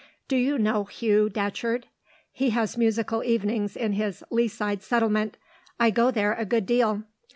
Do you know Hugh Datcherd? He has musical evenings in his Lea side settlement; I go there a good deal.